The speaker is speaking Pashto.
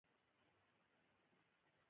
ایا ستاسو لاسونه به وینځل نه شي؟